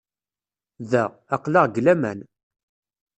Da, aql-aɣ deg laman.